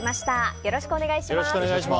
よろしくお願いします。